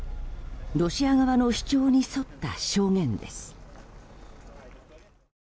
ロシア側の主張に沿った証言です。